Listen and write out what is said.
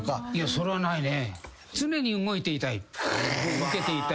それはないね。